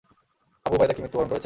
Abu Ubaidah কি মৃত্যুবরণ করেছেন?